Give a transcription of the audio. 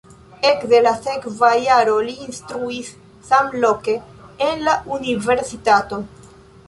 Ekde la sekva jaro li instruis samloke en la universitato.